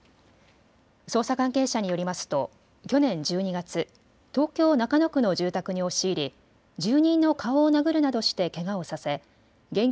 捜査関係者によりますと去年１２月、東京中野区の住宅に押し入り住人の顔を殴るなどしてけがをさせ現金